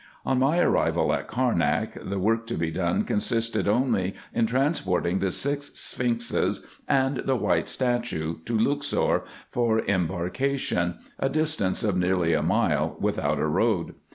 On my arrival at Carnak, the work to he done consisted only in transporting the six sphinxes and the white statue to Luxor for embarkation, a distance of nearly a mile, without a road.